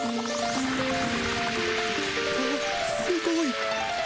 あっすごい。